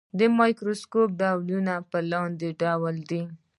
د مایکروسکوپ ډولونه په لاندې ډول دي.